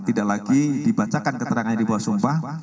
tidak lagi dibacakan keterangannya di bawah sumpah